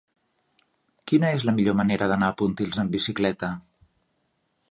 Quina és la millor manera d'anar a Pontils amb bicicleta?